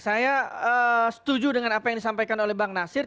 saya setuju dengan apa yang disampaikan oleh bang nasir